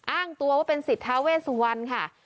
อ้างตัวว่าเป็นสิทธาเวสุวรรณค่ะ